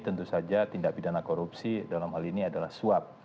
tentu saja tindak pidana korupsi dalam hal ini adalah suap